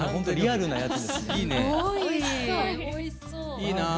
いいな。